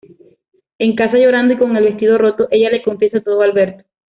En casa, llorando y con el vestido roto, ella le confiesa todo a Alberto.